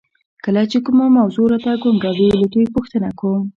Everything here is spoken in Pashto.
کله چې کومه موضوع راته ګونګه وي له دوی پوښتنه کوم.